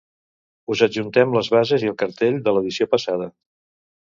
Us adjuntem les bases i el cartell de l'edició passada.